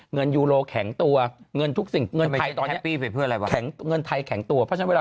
เงินยูโรแข็งตัวเงินทุกสิ่งเงินไทยแข็งตัวเพราะฉะนั้นเวลา